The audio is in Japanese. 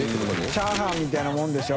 チャーハンみたいなもんでしょ。